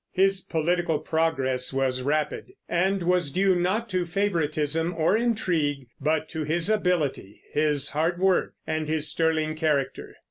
His political progress was rapid, and was due not to favoritism or intrigue, but to his ability, his hard work, and his sterling character.